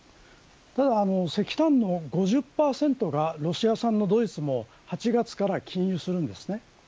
石炭の５０％がロシア産のドイツも８月から禁輸するんです。